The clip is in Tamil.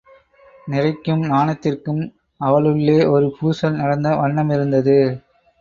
நிறைக்கும் நாணத்திற்கும் அவளுள்ளே ஒரு பூசல் நடந்த வண்ணமிருந்தது.